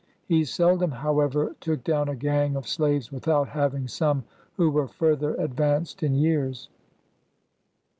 He seldom, however, took down a gang of slaves without having some who were further ad vanced in years.